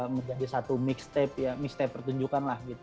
menjadi satu mixtape ya mixtape pertunjukan lah gitu